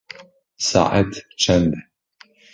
Saet çend e?